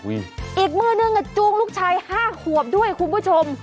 อีกมือนึงจูงลูกชาย๕ขวบด้วยคุณผู้ชม